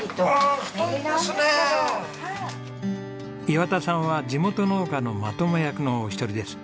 岩田さんは地元農家のまとめ役のお一人です。